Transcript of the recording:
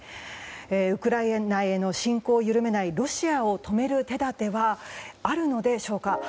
ウクライナへの侵攻を緩めないロシアを止める手立てはあるのでしょうか。